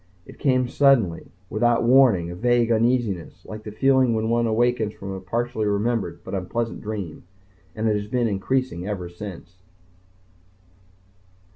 It came suddenly, without warning, a vague uneasiness, like the feeling when one awakens from a partially remembered but unpleasant dream. And it has been increasing ever since.